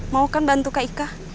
mau kan bantu kak ika